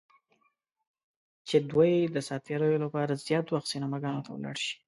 چې دوی د ساعت تیریو لپاره زیات وخت سینماګانو ته ولاړ شي.